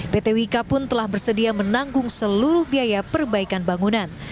pt wika pun telah bersedia menanggung seluruh biaya perbaikan bangunan